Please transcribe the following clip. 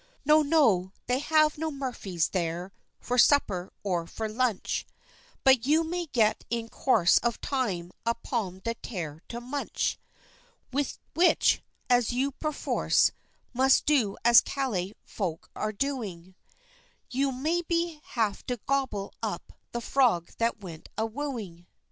No, No, they have no Murphies there, for supper or for lunch, But you may get in course of time a pomme de terre to munch, With which, as you perforce must do as Calais folks are doing, You'll maybe have to gobble up the frog that went a wooing!